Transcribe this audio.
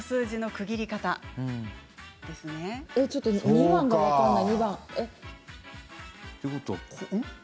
２番が分からない。